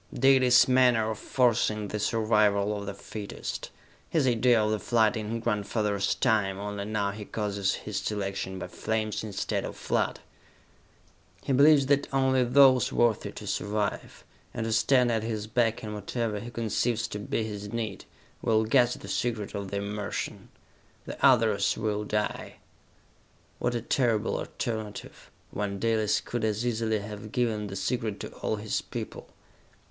Dalis' manner of forcing the survival of the fittest! His idea of the flood in grandfather's time, only now he causes his selection by flames instead of flood! He believes that only those worthy to survive, and to stand at his back in whatever he conceives to be his need, will guess the secret of the immersion. The others will die!" What a terrible alternative, when Dalis could as easily have given the secret to all his people!